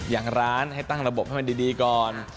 อย่างร้านให้ตั้งระบบให้มันดีก่อน